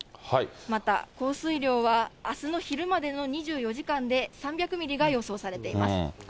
また、降水量はあすの昼までの２４時間で３００ミリが予想されています。